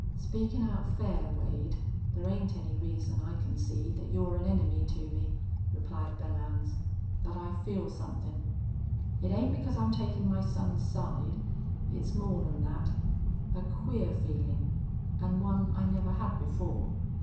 "Speakin' out fair, Wade, there ain't any reason I can see that you're an enemy to me," replied Belllounds. "But I feel somethin'. It ain't because I'm takin' my son's side. It's more than that. A queer feelin', an' one I never had before.